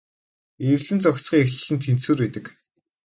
Эвлэн зохицохын эхлэл нь тэнцвэр байдаг.